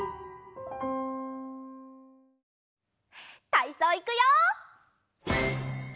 たいそういくよ！